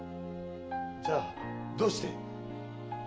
じゃどうして。